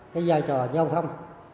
cái giai trò giao thông